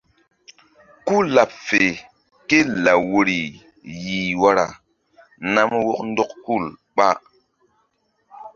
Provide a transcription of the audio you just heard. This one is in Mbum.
Ku laɓ fe ké law woyri yih wara nam wɔk ndɔk hul ɓa.